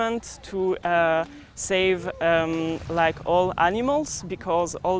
untuk menyelamatkan semua binatang